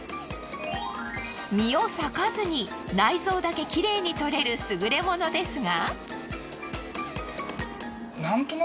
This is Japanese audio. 身を裂かずに内臓だけキレイに取れる優れものですが。